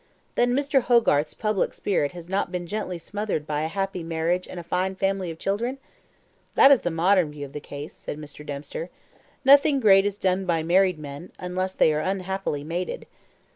"Then Mr. Hogarth's public spirit has not been gently smothered by a happy marriage and a fine family of children? That is the modern view of the case," said Mr. Dempster. "Nothing great is done by married men, unless they are unhappily mated."